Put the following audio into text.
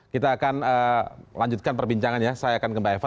kita akan lanjutkan perbincangan ya saya akan ke mbak eva